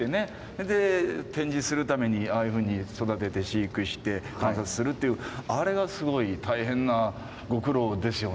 それで展示するためにああいうふうに育てて飼育して観察するっていうあれがすごい大変なご苦労ですよね。